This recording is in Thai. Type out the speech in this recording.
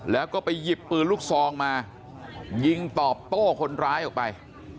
แล้วก็ไปหยิบปืนลูกซองมายิงตอบโต้คนร้ายออกไป